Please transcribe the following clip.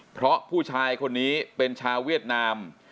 เพราะผู้ชายคนนี้เป็นชาวเวียดนาม